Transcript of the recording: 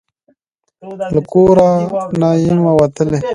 له کور نه یمه وتلې